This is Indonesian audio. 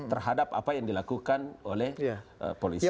terhadap apa yang dilakukan oleh polisi